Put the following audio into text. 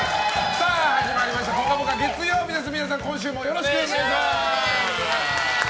さあ、始まりました「ぽかぽか」月曜日です。